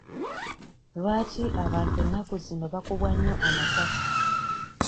Lwaki abantu ennaku zino bakubwa nnyo amasasi?